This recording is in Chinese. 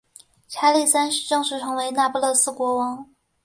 查理三世正式成为那不勒斯国王。